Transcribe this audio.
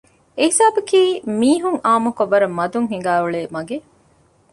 އެހިސާބަކީ މީހުން އާންމުކޮށް ވަރަށް މަދުން ހިނގައި އުޅޭ މަގެއް